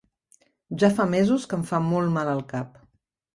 Ja fa mesos que em fa molt mal el cap.